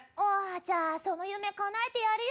じゃあその夢かなえてやるよ。